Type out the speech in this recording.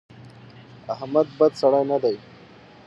احمد بد سړی نه دی.